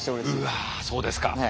うわあそうですか。